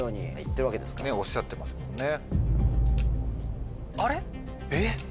おっしゃってますもんね。